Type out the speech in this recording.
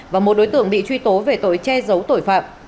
và một đối tượng bị truy tố về tội che giấu tội phạm